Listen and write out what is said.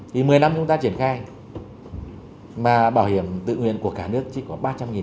thì một mươi năm chúng ta triển khai mà bảo hiểm tự nguyện của cả nước chỉ có ba trăm linh